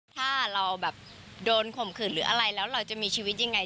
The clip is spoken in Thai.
ถ้าเราโดนข่มขื่นหรืออะไรเราจะมีชีวิตจริงไง